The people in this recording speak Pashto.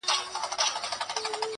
وتاته زه په خپله لپه كي~